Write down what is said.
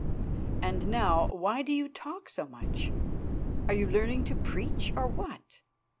And now why do you talk so much? Are you learning to preach, or what?